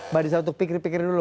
bang riza untuk pikir pikir dulu